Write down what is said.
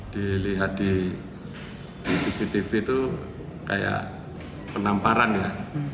dilihat di cctv itu kayak penamparan ya